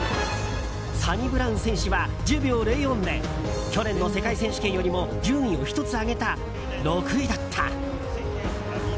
サニブラウン選手は１０秒０４で去年の世界選手権よりも順位を１つ上げた６位だった。